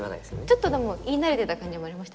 ちょっとでも言い慣れてた感じもありましたしね。